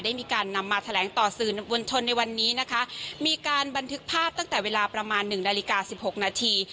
ได้มีการนำมาแถลงต่อสื่อมวลชนในวันนี้นะคะมีการบันทึกภาพตั้งแต่เวลาประมาณหนึ่งนาฬิกาสิบหกนาที